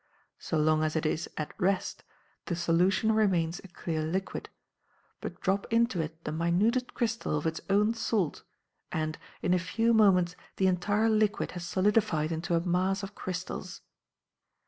So long as it is at rest, the solution remains a clear liquid; but drop into it the minutest crystal of its own salt, and, in a few moments the entire liquid has solidified into a mass of crystals.